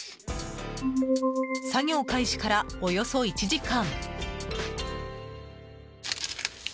作業開始から、およそ１時間。